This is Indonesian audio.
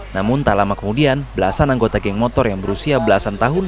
namun tak lama kemudian belasan anggota geng motor yang berusia belasan tahun